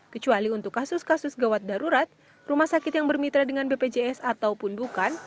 kecuali untuk kasus kasus gawat darurat rumah sakit yang bermitra dengan bpjs ataupun bukan